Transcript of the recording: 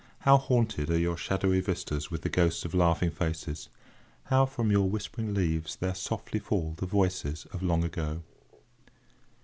How haunted are your shadowy vistas with the ghosts of laughing faces! how from your whispering leaves there softly fall the voices of long ago!